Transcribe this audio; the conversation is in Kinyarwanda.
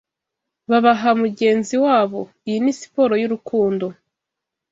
babaha mugenzi wabo: Iyi ni siporo y'urukundo